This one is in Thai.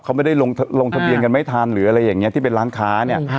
เขาไม่ได้ลงทะเบียนกันไม่ทันหรืออะไรอย่างนี้ที่เป็นร้านค้าเนี่ย